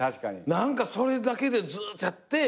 それだけでずっとやって。